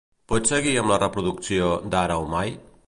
Pots seguir amb la reproducció d'"Ara o mai"?